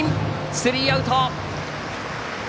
スリーアウト！